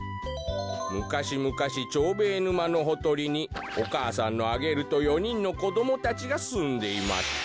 「むかしむかしチョーベーぬまのほとりにおかあさんのアゲルと４にんのこどもたちがすんでいました」。